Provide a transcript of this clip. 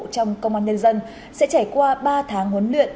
trong công an nhân dân sẽ trải qua ba tháng huấn luyện